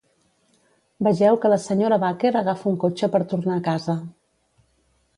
Vegeu que la senyora Baker agafa un cotxe per tornar a casa.